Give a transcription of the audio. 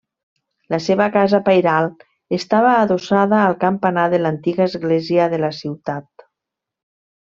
La seva casa pairal estava adossada al campanar de l’antiga església de la ciutat.